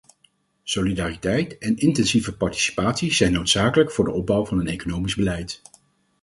Solidariteit en intensieve participatie zijn noodzakelijk voor de opbouw van een economisch beleid.